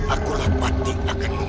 akulah patut akan mengurung